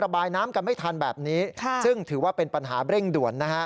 ระบายน้ำกันไม่ทันแบบนี้ซึ่งถือว่าเป็นปัญหาเร่งด่วนนะฮะ